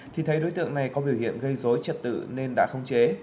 thì thấy đối tượng này có biểu hiện gây dối trật tự nên đã không chế